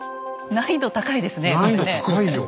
難易度高いですねこれね。